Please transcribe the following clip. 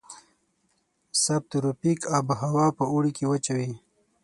سب تروپیک آب هوا په اوړي کې وچه وي.